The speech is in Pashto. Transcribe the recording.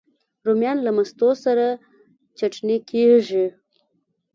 رومیان له مستو سره چټني کېږي